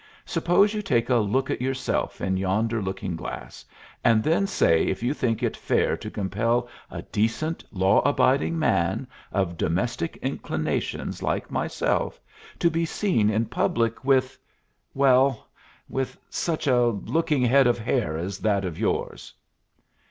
Suppose you take a look at yourself in yonder looking glass, and then say if you think it fair to compel a decent, law abiding man, of domestic inclinations like myself, to be seen in public with well, with such a looking head of hair as that of yours."